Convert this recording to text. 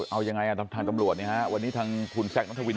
เอายังไงทางตำรวจเนี่ยฮะวันนี้ทางคุณแซคนัทวิน